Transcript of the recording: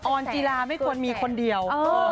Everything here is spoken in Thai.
อนจีราไม่ควรมีคนเดียว